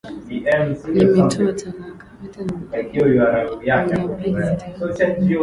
nimetoa talaka